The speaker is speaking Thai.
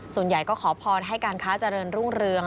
ส่วนใหญ่ก็ขอพรให้การค้าเจริญรุ่งเรือง